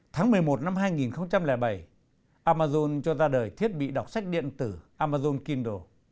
tháng một mươi một năm hai nghìn bảy amazon cho ra đời thiết bị đọc sách điện tử amazonino